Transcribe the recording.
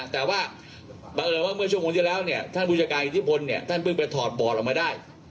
แต่ว่าเมื่อชั่วโมงที่แล้วท่านบุจการอิทธิพลท่านเพิ่งไปถอดบอร์ดออกมาได้